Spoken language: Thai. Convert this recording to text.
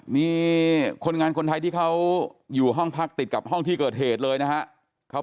มีคนงานคนไทยที่เขาอยู่ห้องพักติดกับห้องที่เกิดเหตุเลยนะครับ